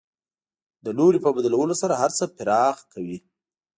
د لوري په بدلولو سره هر څه پراخ کوي.